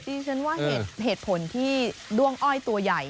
ดิฉันว่าเหตุผลที่ด้วงอ้อยตัวใหญ่